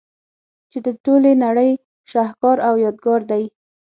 چي د ټولي نړۍ شهکار او يادګار دئ.